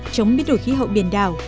chống biến đổi khí hậu biển đảo